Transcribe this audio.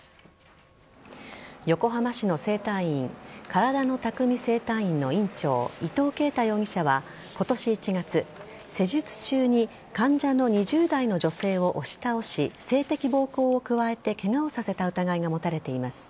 横浜市の整体院からだの匠整体院の院長伊藤恵太容疑者は今年１月、施術中に患者の２０代の女性を押し倒し性的暴行を加えてケガをさせた疑いが持たれています。